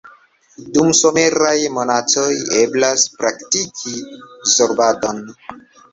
Dum someraj monatoj eblas praktiki zorbadon.